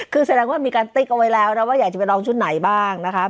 คือแสดงว่ามีการติ๊กเอาไว้แล้วนะว่าอยากจะไปลองชุดไหนบ้างนะคะ